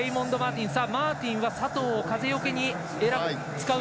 マーティンは佐藤を風よけに使う。